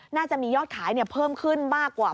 น่าจะมียอดขายเพิ่มขึ้นมากกว่า